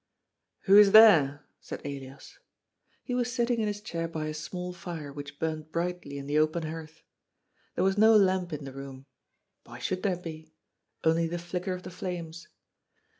"Who is there?" said Elias. He was sitting in his chair by a small fire which burned brightly in the open hearth. There was no lamp in the room — why should there be?— only the flicker of the flames.